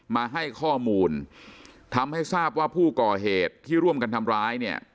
มาให้ข้อมูลทำให้ทราบว่าผู้ก่อเหตุที่ร่วมกันทำร้ายเนี่ย